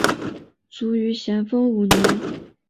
卒于咸丰五年。